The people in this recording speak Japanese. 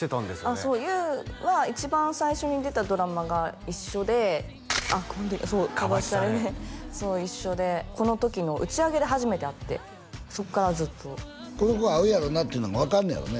そう優は一番最初に出たドラマが一緒であっこの時そう「カバチタレ！」で一緒でこの時の打ち上げで初めて会ってそこからずっとこの子合うやろなっていうのも分かんねやろね